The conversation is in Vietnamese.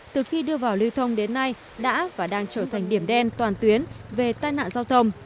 từ khi đưa vào lưu thông đến nay đã và đang trở thành điểm đen toàn tuyến về tai nạn giao thông